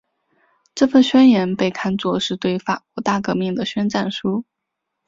这份宣言被看作是对法国大革命的宣战书。